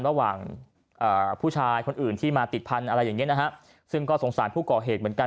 ระหว่างผู้ชายคนอื่นที่มาติดพันธุ์อะไรอย่างเงี้นะฮะซึ่งก็สงสารผู้ก่อเหตุเหมือนกัน